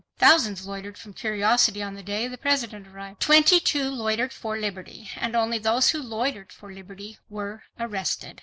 Thousands loitered from curiosity on the day the President arrived. Twenty two loitered for liberty, and only those who loitered for liberty were arrested."